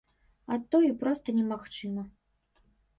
А то і проста немагчыма.